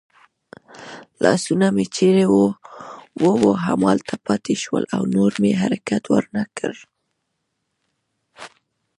لاسونه مې چېرې وو همالته پاتې شول او نور مې حرکت ور نه کړ.